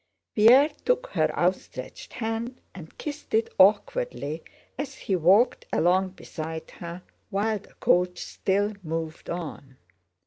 Pierre took her outstretched hand and kissed it awkwardly as he walked along beside her while the coach still moved on.